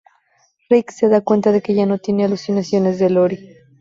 Rick se da cuenta de que ya no tiene alucinaciones de Lori.